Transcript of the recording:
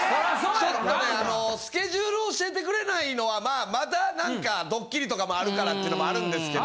ちょっとねあのスケジュールを教えてくれないのはまあまだなんかドッキリとかもあるからってのもあるんですけど。